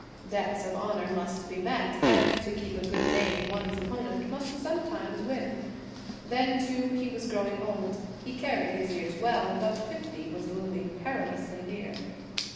Debts of honor must be met, and to keep a good name one's opponent must sometimes win. Then, too, he was growing old; he carried his years well, but fifty was looming perilously near.